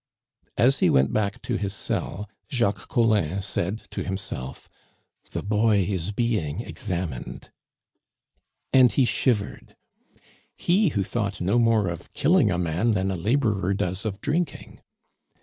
As he went back to his cell Jacques Collin said to himself, "The boy is being examined." And he shivered he who thought no more of killing a man than a laborer does of drinking.